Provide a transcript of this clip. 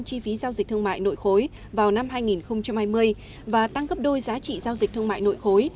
chi phí giao dịch thương mại nội khối vào năm hai nghìn hai mươi và tăng cấp đôi giá trị giao dịch thương mại nội khối